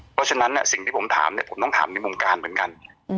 เพราะฉะนั้นสิ่งที่ผมถามเนี่ยผมต้องถามในวงการเหมือนกัน